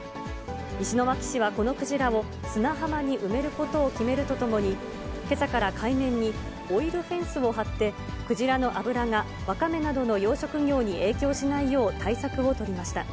石巻市はこのクジラを、砂浜に埋めることを決めるとともに、けさから海面にオイルフェンスを張って、クジラの脂がワカメなどの養殖業に影響しないよう対策を取りました。